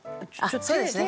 そうですね。